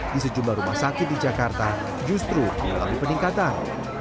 di sejumlah rumah sakit di jakarta justru mengalami peningkatan